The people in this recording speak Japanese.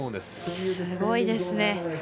すごいですね。